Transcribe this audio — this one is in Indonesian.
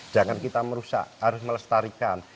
jangan kita merusak harus melestarikan